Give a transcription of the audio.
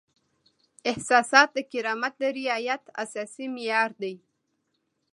احساسات د کرامت د رعایت اساسي معیار دی.